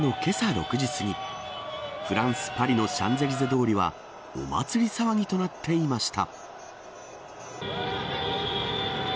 ６時すぎフランス、パリのシャンゼリゼ通りはお祭り騒ぎとなっていました。